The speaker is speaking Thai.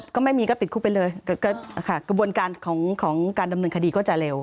ก็ไม่มีก็ติดคุกไปเลยกระบวนการของการดำเนินคดีก็จะเร็ว